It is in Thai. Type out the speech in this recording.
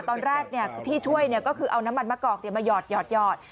ตอนแรกที่ช่วยก็คือเอาน้ำมันมะกอกมาหยอด